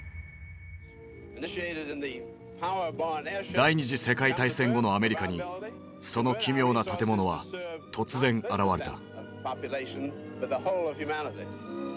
第２次世界大戦後のアメリカにその奇妙な建物は突然現れた。